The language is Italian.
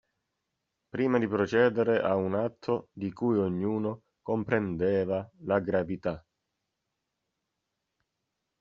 Prima di procedere a un atto di cui ognuno comprendeva la gravità.